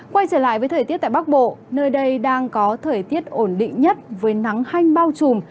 quay trở lại với thời tiết tại bắc bộ nơi đây đang có thời tiết ổn định nhất với nắng hanh bao trùm